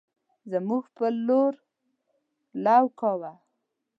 زمونږ په لور لو کوو